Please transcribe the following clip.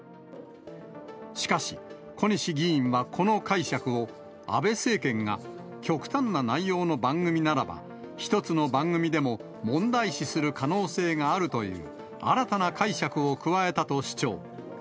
しかし小西議員はこの解釈を、安倍政権が、極端な内容の番組ならば、１つの番組でも問題視する可能性があるという新たな解釈を加えたと主張。